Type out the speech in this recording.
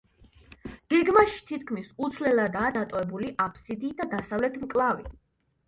გეგმაში თითქმის უცვლელადაა დატოვებული აფსიდი და დასავლეთ მკლავი.